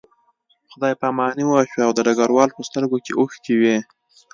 خدای پاماني وشوه او د ډګروال په سترګو کې اوښکې وې